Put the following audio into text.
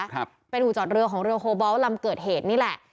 ครับเป็นอู่จอดเรือของเรือโฮเบาลำเกิดเหตุนี่แหละ